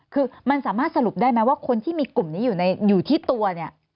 คือมันสามารถสรุปได้ไหมว่าคนที่มีกลุ่มนี้อยู่ที่ตัวเนี่ย